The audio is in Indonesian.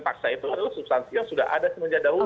paksa itu adalah substansi yang sudah ada semenjak dahulu